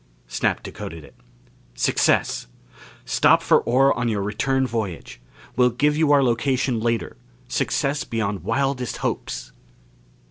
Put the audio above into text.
Snap decoded it. _Success! Stop for ore on your return voyage. Will give you our location later. Success beyond wildest hopes.